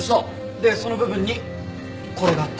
でその部分にこれがあった。